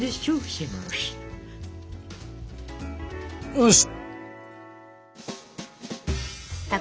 よし。